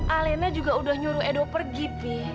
alena juga udah nyuruh edo pergi